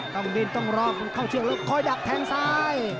ต้องดรินต้องรอกค่อยเดินไปข้างสาย